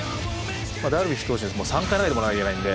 ダルビッシュ投手３回投げてもらわなきゃいけないんで。